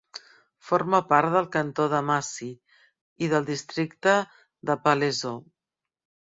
Forma part del cantó de Massy i del districte de Palaiseau.